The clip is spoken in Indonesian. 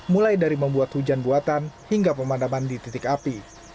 mulai dari membuat hujan buatan hingga pemadaman di titik api